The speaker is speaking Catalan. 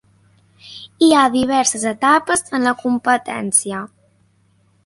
Hi ha diverses etapes en la competència.